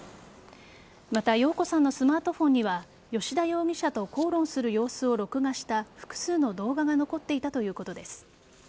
また、容子さんのスマートフォンには吉田容疑者と口論する様子を録画した複数の動画が残っていたということです。